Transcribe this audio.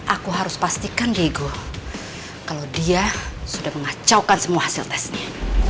aku harus pastikan diego kalau dia sudah mengacaukan semua hasil tesnya